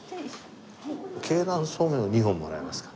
鶏卵素麺を２本もらえますか？